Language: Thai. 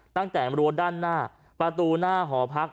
ตั้งแต่รั้วด้านหน้าประตูหน้าหอพัก